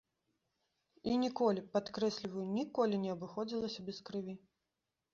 І ніколі, падкрэсліваю, ніколі не абыходзіліся без крыві.